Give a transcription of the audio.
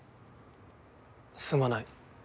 すまない。